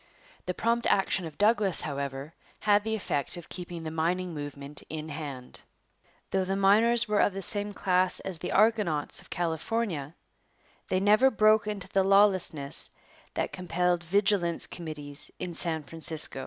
The prompt action of Douglas, however, had the effect of keeping the mining movement in hand. Though the miners were of the same class as the 'argonauts' of California, they never broke into the lawlessness that compelled vigilance committees in San Francisco.